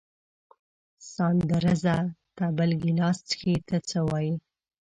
ساندرزه ته بل ګیلاس څښې، ته څه وایې؟